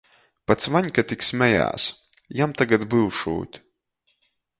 Pats Vaņka tik smejās — jam tagad byušūt